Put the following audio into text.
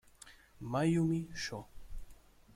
Mayumi Shō